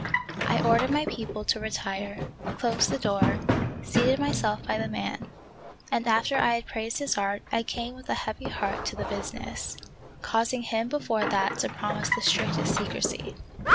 I ordered my people to retire, closed the door, seated myself by the man, and after I had praised his art I came with a heavy heart to the business, causing him before that to promise the strictest secrecy.